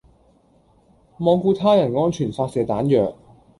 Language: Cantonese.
罔顧他人安全發射彈藥